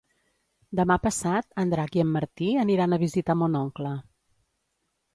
Demà passat en Drac i en Martí aniran a visitar mon oncle.